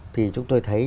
thì chúng tôi thấy